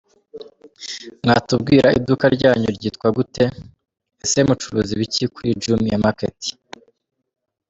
Q: Mwatubwira iduka ryanyu ryitwa gute? Ese mucuruza ibiki kuri Jumia Market?.